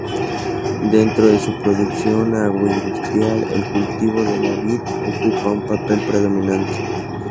Dentro de su producción agroindustrial, el cultivo de la vid ocupa un papel predominante.